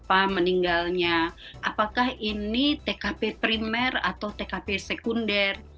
apakah meninggalnya apakah ini tkp primer atau tkp sekunder